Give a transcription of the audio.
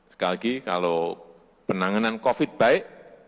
sekali lagi kalau penanganan covid baik